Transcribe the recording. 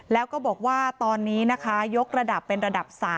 แล้วก็บอกว่าตอนนี้นะคะยกระดับเป็นระดับ๓